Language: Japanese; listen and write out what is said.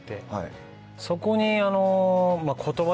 そこに。